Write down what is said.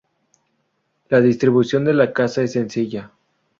La distribución de la casa es sencilla.